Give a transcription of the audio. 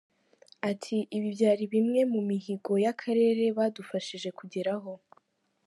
Ati “Ibi byari bimwe mu mihigo y’akarere badufashije kugeraho.